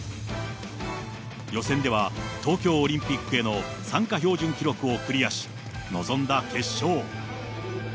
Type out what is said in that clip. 予選では、東京オリンピックへの参加標準記録をクリアし、臨んだ決勝。